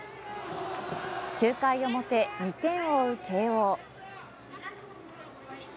９回表、２点を追う慶応。